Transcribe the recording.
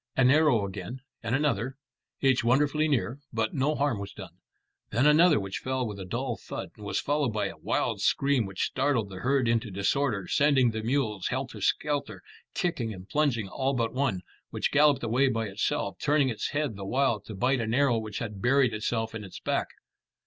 An arrow again, and another, each wonderfully near, but no harm was done. Then another which fell with a dull thud, and was followed by a wild scream which startled the herd into disorder, sending the mules helter skelter, kicking and plunging, all but one, which galloped away by itself, turning its head the while to bite at an arrow which had buried itself in its back.